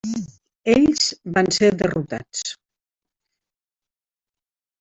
Ells van ser derrotats.